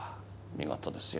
見事ですよ。